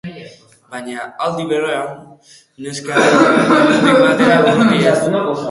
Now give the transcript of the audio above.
Baina, aldi berean, Neskaren mundutik batere urruti ez.